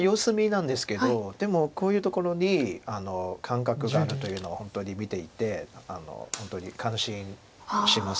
でもこういうところに感覚があるというのは本当に見ていて本当に感心します。